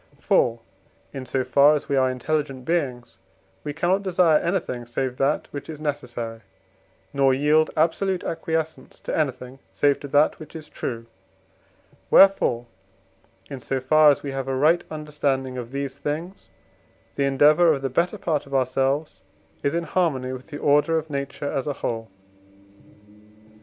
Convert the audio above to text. For, in so far as we are intelligent beings, we cannot desire anything save that which is necessary, nor yield absolute acquiescence to anything, save to that which is true: wherefore, in so far as we have a right understanding of these things, the endeavour of the better part of ourselves is in harmony with the order of nature as a whole.